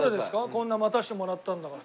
こんな待たせてもらったんだから。